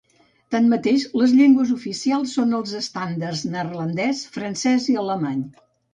Tanmateix les llengües oficials són els estàndards neerlandès, francès i alemany.